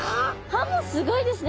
歯もすごいですね。